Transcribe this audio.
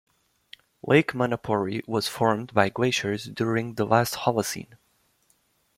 Lake Manapouri was formed by glaciers during the last Holocene.